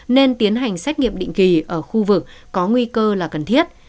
nên tiến hành xét nghiệm định kỳ ở khu vực có nguy cơ là cần thiết